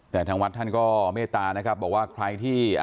แต่ทางวัดท่านก็เมตตานะครับบอกว่าใครที่